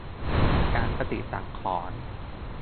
การปฏิสังขรณ์